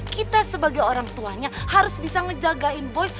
kita sebagai orang tuanya harus bisa ngejagain boys